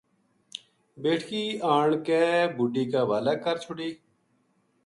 بیٹکی آن کے بڈھی کے حوالے کر چھوڈی